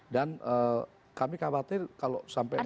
dan kami khawatir kalau sampai mereka